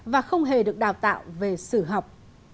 và không hề được đào tạo về sử học